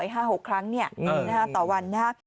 อีก๕๖ครั้งต่อวันนะ